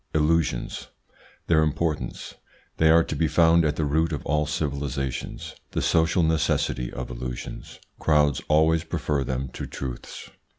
ILLUSIONS. Their importance They are to be found at the root of all civilisations The social necessity of illusions Crowds always prefer them to truths.